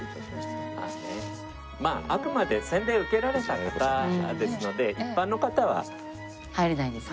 あくまで洗礼を受けられた方ですので一般の方は。入れないんですね。